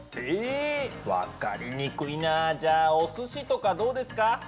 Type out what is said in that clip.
え分かりにくいなじゃあおすしとかどうですか？